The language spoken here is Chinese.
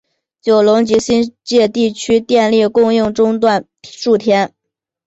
九龙及新界地区电力供应中断数天。